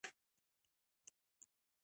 په افغانستان کې ژمی ډېر اهمیت لري.